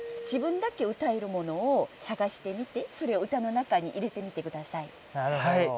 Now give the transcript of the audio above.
自分だけうたえるものを探してみてそれを歌の中に入れてみて下さい。